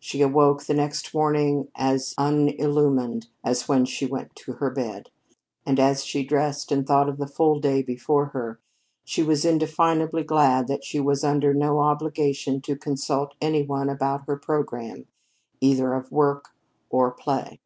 She awoke the next morning as unillumined as when she went to her bed. And as she dressed and thought of the full day before her, she was indefinably glad that she was under no obligations to consult any one about her programme, either of work or play.